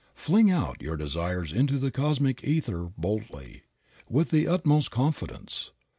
Fling out your desires into the cosmic ether boldly, with the utmost confidence.